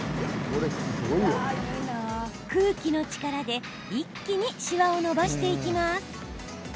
空気の力で、一気にしわを伸ばしていきます。